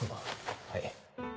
はい